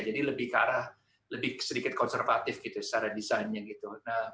jadi lebih ke arah lebih sedikit konservatif gitu secara desainnya gitu